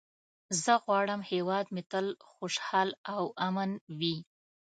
زه غواړم هېواد مې تل خوشحال او امن وي.